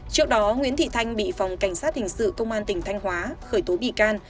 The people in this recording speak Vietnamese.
trước đó nguyễn thị thanh bị phòng cảnh sát hình sự công an tỉnh thanh hóa khởi tố bị can